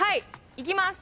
いきます！